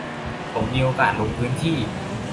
ผมมีโอกาสลงพื้นที่